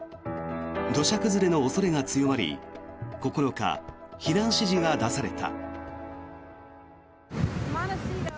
土砂崩れの恐れが強まり９日、避難指示が出された。